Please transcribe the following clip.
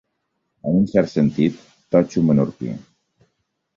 En un cert sentit, totxo menorquí.